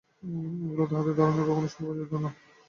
এগুলি তাহাদের ধারণায় কখনও সৌন্দর্যমণ্ডিত, কখনও বা ইন্দ্রিয়ের অতীত।